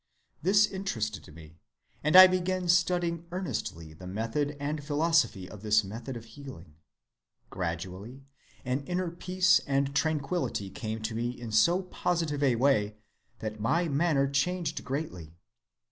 This interested me, and I began studying earnestly the method and philosophy of this method of healing. Gradually an inner peace and tranquillity came to me in so positive a way that my manner changed greatly.